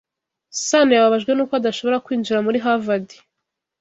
Sanoyababajwe nuko adashobora kwinjira muri Harvard.